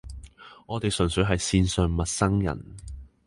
我哋純粹係線上陌生人